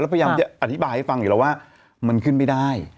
พยายามจะอธิบายให้ฟังอยู่แล้วว่ามันขึ้นไม่ได้